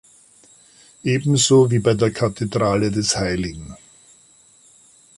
Ebenso wie bei der Kathedrale des hl.